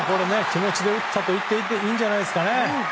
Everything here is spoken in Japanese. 気持ちで打ったと言っていいんじゃないですかね。